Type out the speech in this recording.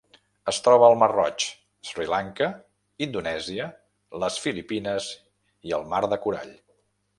Es troba al Mar Roig, Sri Lanka, Indonèsia, les Filipines i el Mar del Corall.